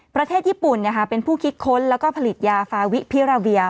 ประเทศญี่ปุ่นเป็นผู้คิดค้นแล้วก็ผลิตยาฟาวิพิราเวีย